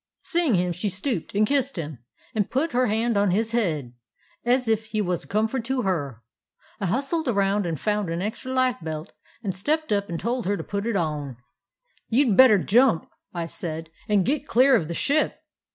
Seeing him, she stooped and kissed him, and put her hand on his head, as if he was a comfort to her. I hustled around and found an extra life belt and stepped up and told her to put it on. " 'You 'd better jump,' I said, 'and get clear of the ship.